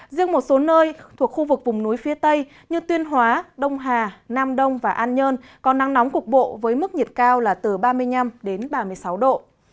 riêng một số nơi thuộc khu vực vùng núi phía tây như tuyên hóa đông hà nam đông và an nhơn có nắng nóng cục bộ với mức nhiệt cao là từ ba mươi năm đến ba mươi sáu độ